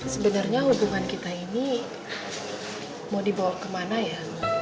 sebenarnya hubungan kita ini mau dibawa kemana ya